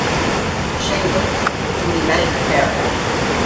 Chambers, whom he met in Paris.